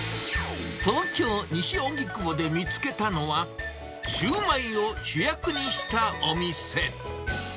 東京・西荻窪で見つけたのは、シューマイを主役にしたお店。